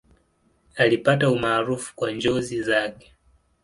Alipata umaarufu kwa njozi zake.